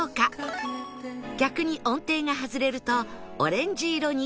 逆に音程が外れるとオレンジ色に